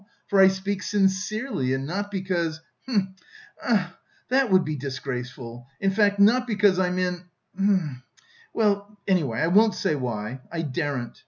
For I speak sincerely and not because... hm, hm! That would be disgraceful; in fact not because I'm in... hm! Well, anyway, I won't say why, I daren't....